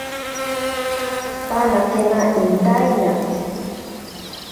Panakena intaina.